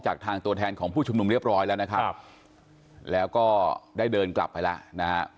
จากทางตัวแทนของผู้ชนุมเรียบร้อยแล้วก็ได้เดินกลับไปแล้ว